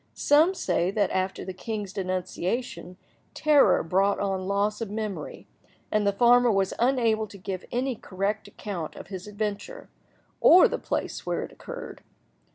Some say that after the king's denunciation, terror brought on loss of memory, and the farmer was unable to give any correct account of his adventure, or the place where it occurred.